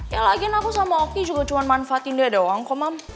ya lagiin aku sama oki juga cuma manfaatin dia doang kok mam